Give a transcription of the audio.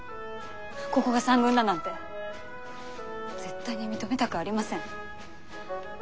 ここが三軍だなんて絶対に認めたくありません。